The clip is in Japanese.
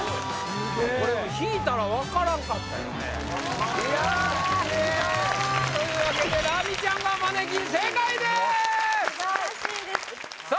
これ引いたら分からんかったよねというわけでラミちゃんがマネキン正解でーす素晴らしいですさあ